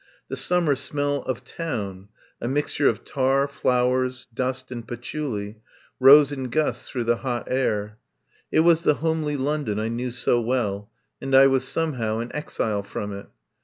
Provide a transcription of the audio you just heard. The summer smell of town — a mixture of tar, flowers, dust and patchouli — rose in gusts through the hot air. It was the homely London I knew so well, and I was somehow an exile from it.